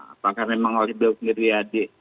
apakah memang oleh beliau sendiri adik